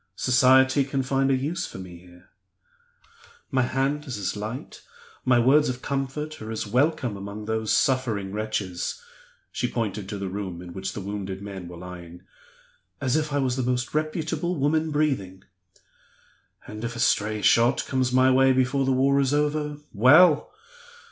Society can find a use for me here. My hand is as light, my words of comfort are as welcome, among those suffering wretches" (she pointed to the room in which the wounded men were lying) "as if I was the most reputable woman breathing. And if a stray shot comes my way before the war is over well!